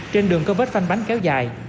trên đường có vết phanh bánh kéo dài